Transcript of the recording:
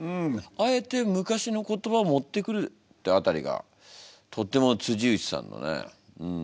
あえて昔の言葉を持ってくるってあたりがとても内さんのねん